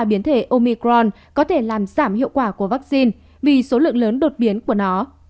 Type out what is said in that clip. biến thể omicron có thể làm giảm hiệu quả của vaccine vì số lượng lớn đột biến của nó